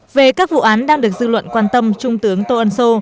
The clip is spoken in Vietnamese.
về các vụ án đang được dư luận quan tâm trung tướng tô ân sô